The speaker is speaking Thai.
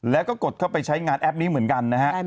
แล้วก็กดเข้าไปใช้งานแอปนี้เหมือนกันนะฮะ